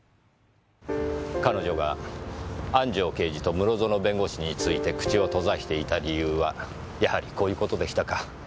彼女が安城刑事と室園弁護士について口を閉ざしていた理由はやはりこういう事でしたか。